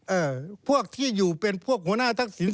เอ่อพวกที่อยู่เป็นพวกหัวหน้าทักษิณ